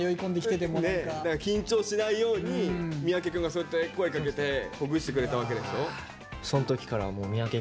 緊張しないように三宅くんがそうやって声かけてほぐしてくれたわけでしょ。